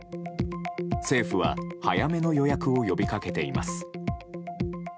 政府は早めの予約を呼び掛けています。